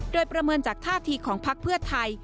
โดยประเมินจากท่าทีของพักเพื่อไทย